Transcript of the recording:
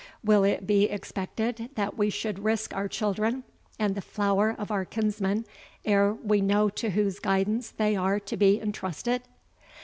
Will it be expected that we should risk our children, and the flower of our kinsmen, ere we know to whose guidance they are to be intrusted?